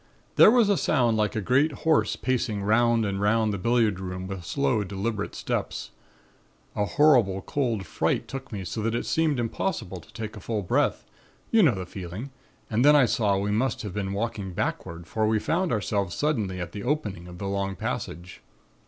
"There was a sound like a great horse pacing 'round and 'round the billiard room with slow, deliberate steps. A horrible cold fright took me so that it seemed impossible to take a full breath, you know the feeling, and then I saw we must have been walking backward for we found ourselves suddenly at the opening of the long passage.